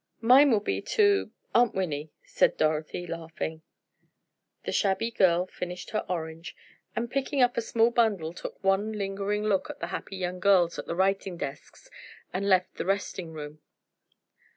"Mine will be to—Aunt Winnie," said Dorothy, laughing. The shabby girl finished her orange, and picking up a small bundle, took one lingering look at the happy young girls at the writing desks and left the resting room.